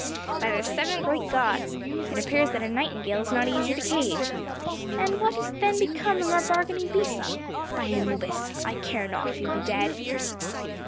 "By the seven great gods! It appears that a nightingale is not easy to cage. And what then has become of our bargaining Besa? By Anubis! I care not if he be dead."